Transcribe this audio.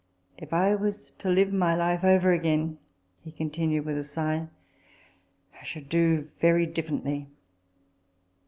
If I was to live my life over again," he continued with a sigh, " I should do very differently."